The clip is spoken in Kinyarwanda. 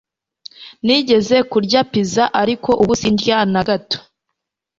Nigeze kurya pizza ariko ubu sindya na gato